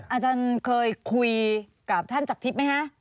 อาจารย์เคยคุยกับท่านจักรทิพย์ไหมคะ